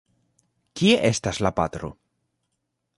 Kie estas la patro?